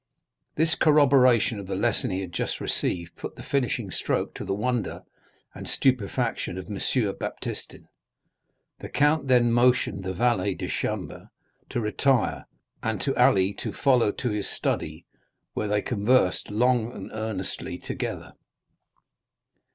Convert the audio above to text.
This corroboration of the lesson he had just received put the finishing stroke to the wonder and stupefaction of M. Baptistin. The count then motioned the valet de chambre to retire, and to Ali to follow to his study, where they conversed long and earnestly together.